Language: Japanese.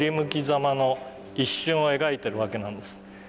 ざまの一瞬を描いているわけなんです。